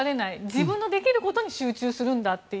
自分のできることに集中するんだって。